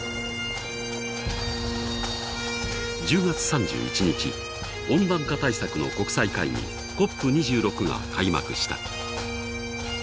１０月３１日温暖化対策の国際会議ＣＯＰ２６が開幕した。